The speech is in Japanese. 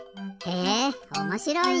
へえおもしろい！